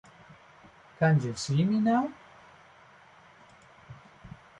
Can You See Me Now?